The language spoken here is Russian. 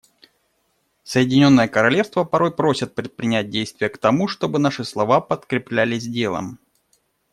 Соединенное Королевство порой просят предпринять действия к тому, чтобы наши слова подкреплялись делом.